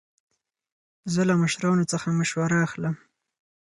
زه له مشرانو څخه مشوره اخلم.